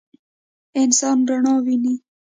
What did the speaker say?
انسان رڼا ویني.